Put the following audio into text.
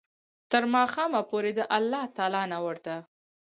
تر ماښامه پوري د الله تعالی نه ورته